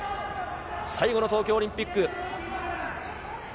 最後の東京オリンピック。